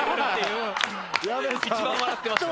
一番笑ってました。